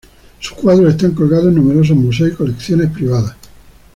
Sus cuadros están colgados en numerosos museos y colecciones privadas.